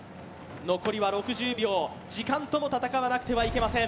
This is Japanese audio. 残りは６０秒、時間とも戦わなくてはいけません。